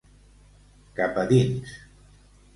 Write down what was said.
Cap a dins.